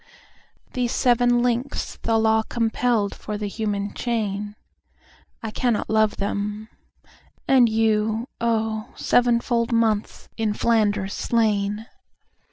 These seven links the Law compelledFor the human chain—I cannot love them; and you, oh, Seven fold months in Flanders slain!